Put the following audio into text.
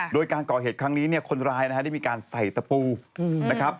โดยการก่อเหตุครั้งนี้เนี่ยคนร้ายนะฮะได้มีการใส่ตะปูนะครับ